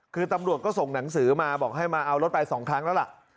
คือตำรวจก็ส่งหนังสือมาบอกให้มาเอารถไป๒ครั้งแล้วล่ะ